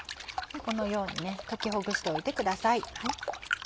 このように溶きほぐしておいてください。